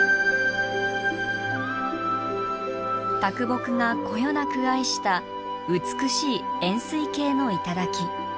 啄木がこよなく愛した美しい円すい形の頂。